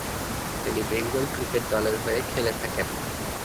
তিনি বেঙ্গল ক্রিকেট দলের হয়ে খেলে থাকেন।